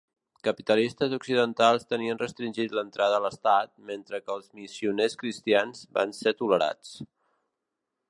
Capitalistes occidentals tenien restringit l'entrada a l'estat, mentre que els missioners cristians van ser tolerats.